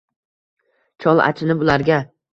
Chol achinib ularga